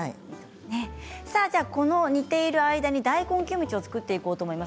この煮ている間に大根キムチを作っていこうと思います。